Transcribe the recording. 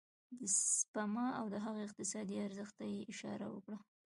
د سپما او د هغه اقتصادي ارزښت ته يې اشاره وکړه.